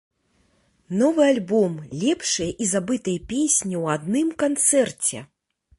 Новы альбом, лепшыя і забытыя песні ў адным канцэрце!